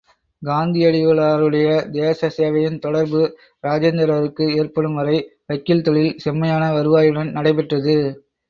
காந்தியடிகளாருடைய தேச சேவையின் தொடர்பு இராஜேந்திரருக்கு ஏற்படும் வரை வக்கீல் தொழில் செம்மையான வருவாயுடன் நடைபெற்றது.